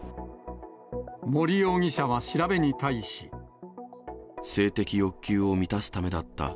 森容疑者は調べに対し。性的欲求を満たすためだった。